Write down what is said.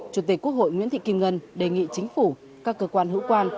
chủ tịch quốc hội nguyễn thị kim ngân đề nghị chính phủ các cơ quan hữu quan